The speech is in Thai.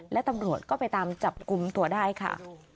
และตำรวจก็ไปตามจับกลุ่มตัวได้ค่ะ